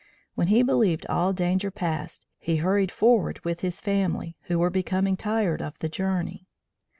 When he believed all danger past, he hurried forward with his family, who were becoming tired of the journey.